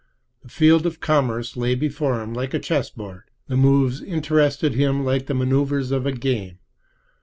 The field of commerce lay before him like a chess board; the moves interested him like the manoeuvers of a game.